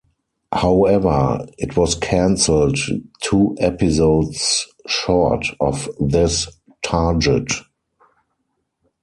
However, it was cancelled two episodes short of this target.